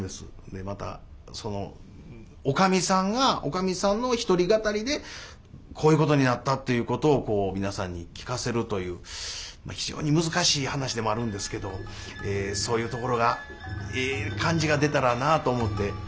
でまたそのおかみさんがおかみさんの一人語りでこういうことになったということを皆さんに聞かせるという非常に難しい噺でもあるんですけどそういうところがええ感じが出たらなと思って聴いて頂きます。